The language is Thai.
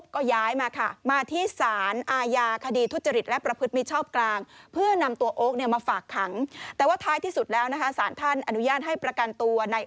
ก็คือ๑ล้านบาท